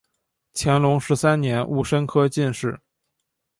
乾隆十三年戊辰科进士。